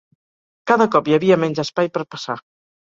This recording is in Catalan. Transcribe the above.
Cada cop hi havia menys espai per passar.